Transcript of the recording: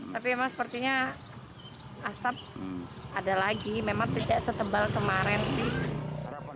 tapi emang sepertinya asap ada lagi memang tidak setebal kemarin sih